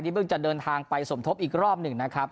เพิ่งจะเดินทางไปสมทบอีกรอบหนึ่งนะครับ